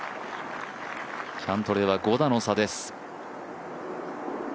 キャントレーは５打の差です。